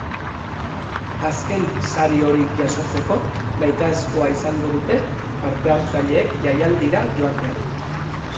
Azken sari hori jasotzeko nahitaezkoa izango dute parte-hartzaileek jaialdira joatea.